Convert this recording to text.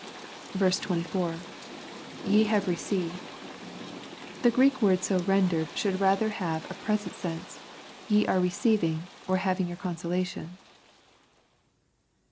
24. —[ Ye have received.] The Greek word so rendered should rather have a present sense, " ye are receiving or having your consola tion."